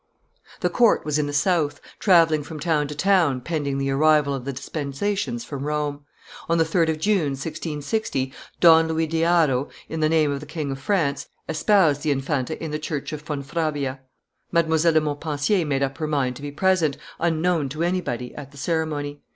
The court was in the South, travelling from town to town, pending the arrival of the dispensations from Rome. On the 3d of June, 1660, Don Louis de Haro, in the name of the King of France, espoused the Infanta in the church of Fontfrabia. Mdlle. de Montpensier made up her mind to be present, unknown to anybody, at the ceremony.